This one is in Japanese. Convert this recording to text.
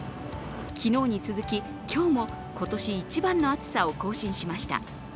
昨日に続き、今日も今年一番の暑さを更新しました。